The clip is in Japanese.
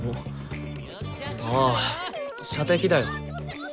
ああ射的だよ。